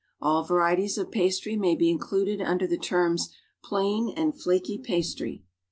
All varieties of pastry may be included under the terms plain and flaky pastry